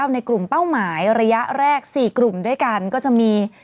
ในกลุ่มเป้าหมายระยะแรก๔กลุ่มด้วยกันก็จะมี